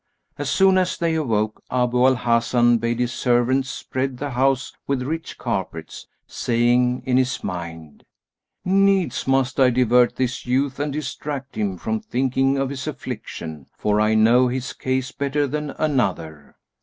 As soon as they awoke, Abu al Hasan bade his servants spread the house with rich carpets, saying in his mind, "Needs must I divert this youth and distract him from thinking of his affliction, for I know his case better than another."